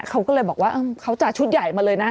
เขาก็เลยบอกว่าเขาจัดชุดใหญ่มาเลยนะ